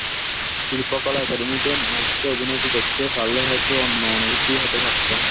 শিল্পকলা একাডেমীর মঞ্চে অভিনয়টি দেখতে পারলে হয়তো অন্য অনুভূতি হতে পারত।